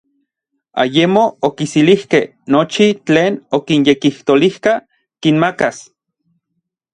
Ayemo okiselijkej nochi tlen okinyekijtolijka kinmakas.